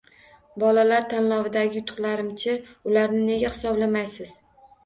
Bolalar tanlovidagi yutuqlarimchi, ularni nega hisoblamaysiz?